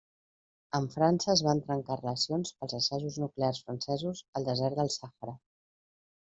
Amb França es van trencar relacions pels assajos nuclears francesos al desert del Sàhara.